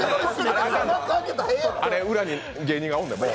あれ、裏に芸人がおんねん、もう。